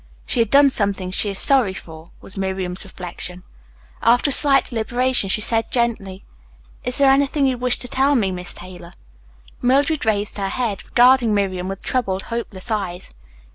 "She has done something she is sorry for," was Miriam's reflection. After a slight deliberation she said gently, "Is there anything you wish to tell me, Miss Taylor?" Mildred raised her head, regarding Miriam with troubled, hopeless eyes.